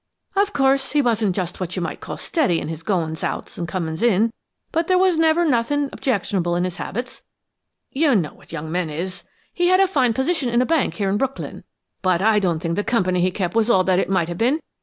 Of course, he wasn't just what you might call steady in his goings out and comings in, but there never was nothin' objectionable in his habits. You know what young men is! He had a fine position in a bank here in Brooklyn, but I don't think the company he kep' was all that it might have been.